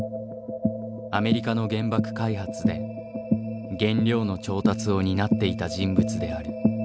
アメリカの原爆開発で原料の調達を担っていた人物である。